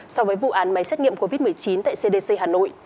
so với vụ án máy xét nghiệm covid một mươi chín tại cdc hà nội